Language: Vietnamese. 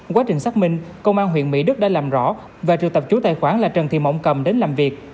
quá trình xác minh công an huyện mỹ đức đã làm rõ và trừ tập chủ tài khoản là trần thị mộng cầm đến làm việc